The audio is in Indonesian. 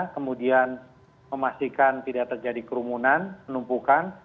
kemudian memastikan tidak terjadi kerumunan penumpukan